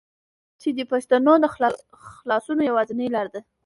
چې دې پښتنو د خلاصونو يوازينۍ لاره